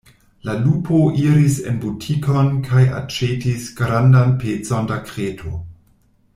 La lupo iris en butikon kaj aĉetis grandan pecon da kreto.